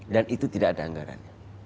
dan itu tidak ada anggaran